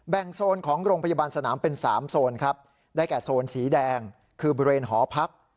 โซนของโรงพยาบาลสนามเป็น๓โซนครับได้แก่โซนสีแดงคือบริเวณหอพัก